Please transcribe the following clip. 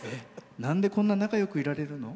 なんで、こんな仲よくいられるの？